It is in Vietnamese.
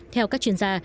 theo các chuyên gia